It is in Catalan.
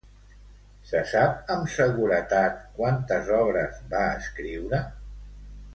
Se sap amb seguretat quantes obres va escriure?